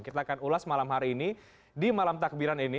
kita akan ulas malam hari ini di malam takbiran ini